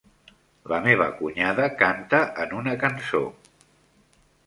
La meva cunyada canta en una cançó.